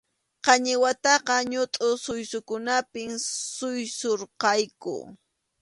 Qañiwataqa ñutʼu suysunapi suysurqayku.